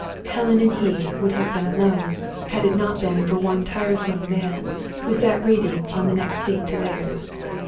Helen and he would have been alone, had it not been for one tiresome man who sat reading on the next seat to theirs.